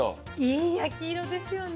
いい焼き色ですよね。